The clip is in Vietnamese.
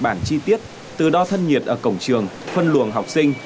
bản chi tiết từ đo thân nhiệt ở cổng trường phân luồng học sinh